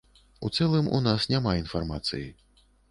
І ў цэлым, у нас няма інфармацыі.